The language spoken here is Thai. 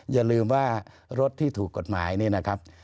อย่าลืมว่ารถที่ถูกกฎหมายนี่นะครับ